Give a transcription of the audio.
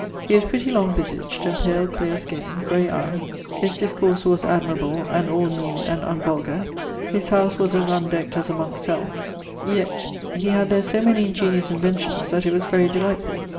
He was pretty long visagd and pale cleare skin, gray eie. His discourse was admirable, and all new and unvulgar. His house was as undeckt as a monke's cell; yet he had there so many ingeniose inventions that it was very delightfull.